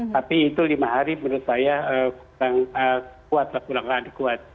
tapi itu lima hari menurut saya kurang adekuat